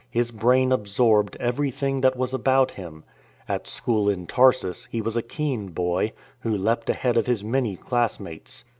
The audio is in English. His brain absorbed everything that was about him. At school in Tarsus he was a keen boy, who leapt ahead of many of his class mates.